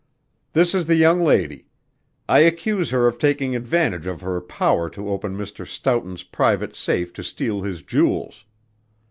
"This is the young lady. I accuse her of taking advantage of her power to open Mr. Stoughton's private safe to steal his jewels.